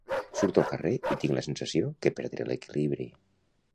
Surto al carrer i tinc la sensació que perdré l'equilibri